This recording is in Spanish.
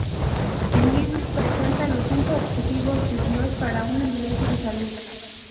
El libro presenta los cinco objetivos de Dios para una iglesia en salud.